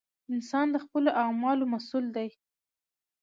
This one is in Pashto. انسان د خپلو اعمالو مسؤول دی!